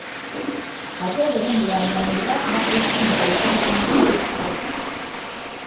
Katende ne Mulwanyammuli bafuna essimu okuva mu State House